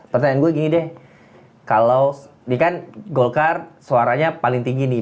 pertanyaan gue gini deh kalau ini kan golkar suaranya paling tinggi nih